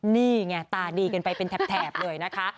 นี่ไงตาดีกันไปเป็นแถบเลยนะคะ